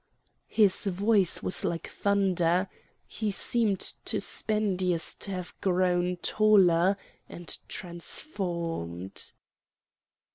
His voice was like thunder. He seemed to Spendius to have grown taller and transformed.